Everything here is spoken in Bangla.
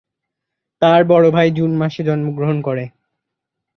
তার বড় ভাই জুন মাসে জন্মগ্রহণ করে।